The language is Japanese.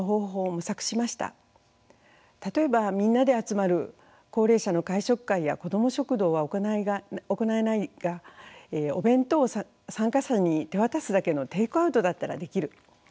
例えばみんなで集まる高齢者の会食会や子ども食堂は行えないがお弁当を参加者に手渡すだけのテイクアウトだったらできる。